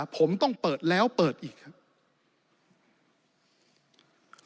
ผมต้องเปิดแล้วเปิดอีกครับ